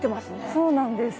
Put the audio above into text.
そうなんです。